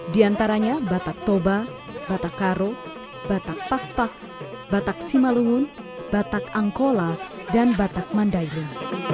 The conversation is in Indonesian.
di antaranya batak toba batak karo batak pahpak batak simalungun batak angkola dan batak mandai rung